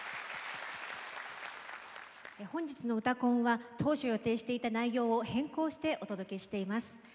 本日の「うたコン」は当初予定していた内容を変更してお送りしています。